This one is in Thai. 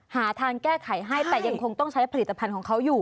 หาทางแก้ไขให้แต่ยังคงต้องใช้ผลิตภัณฑ์ของเขาอยู่